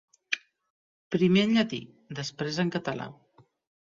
Primer en llatí, després en català.